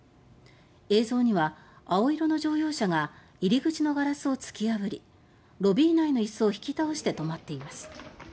映像には青色の乗用車が入口のガラスを突き破りロビー内の椅子をひき倒して止まっています。